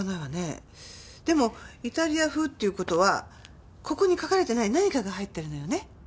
でもイタリア風っていう事はここに書かれてない何かが入ってるのよね？